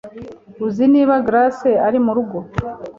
uzi niba grace ari murugo